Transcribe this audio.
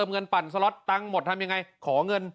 เงินทางหมดทำยังไง